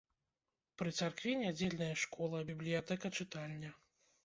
Пры царкве нядзельная школа, бібліятэка-чытальня.